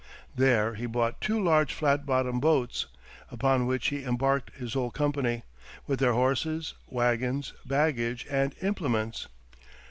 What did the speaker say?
There he bought two large flat bottomed boats, upon which he embarked his whole company, with their horses, wagons, baggage, and implements.